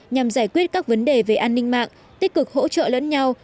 nhằm giải quyết các vấn đề về an ninh mạng tích cực hỗ trợ lẫn nhau